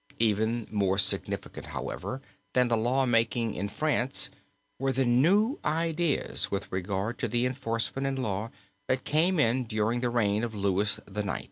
Even more significant, however, than the law making in France, were the new ideas with regard to the enforcement in law that came in during the reign of Louis IX.